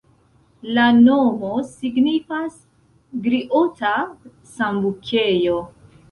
La nomo signifas griota-sambukejo.